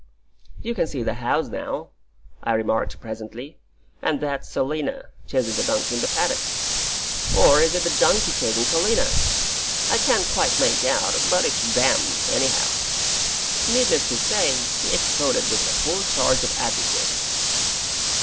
"You can see the house now," I remarked, presently; "and that's Selina, chasing the donkey in the paddock, or is it the donkey chasing Selina? I can't quite make out; but it's THEM, anyhow." Needless to say, he exploded with a full charge of adjectives.